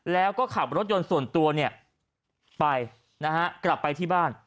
แล้วก็ขับรถยนต์ส่วนตัวไปนะฮะกลับไปที่บ้าน